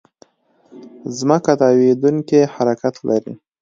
ځمکه تاوېدونکې حرکت لري.